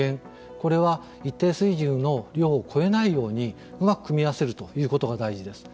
これは一定水準の量を超えないようにうまく組み合わせるということが大事です。